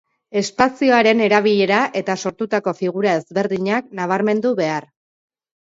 Espazioaren erabilera eta sortutako figura ezberdinak nabarmendu behar.